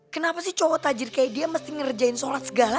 kenapa sih cowok tajir kayak dia mesti ngerjain sholat segala